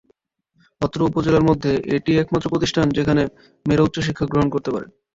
অত্র উপজেলার মধ্যে এটিই একমাত্র প্রতিষ্ঠান যেখানে মেয়েরা উচ্চশিক্ষা গ্রহণ করতে পারে।